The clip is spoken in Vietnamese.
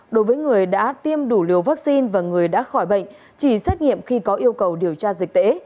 đối với người đã tiêm đủ liều vaccine và người đã khỏi bệnh chỉ xét nghiệm khi có yêu cầu điều tra dịch tễ